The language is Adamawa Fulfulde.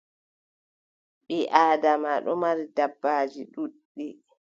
Ɓii Aadama ɗon mari dabbaaji ɗuuɗɗi.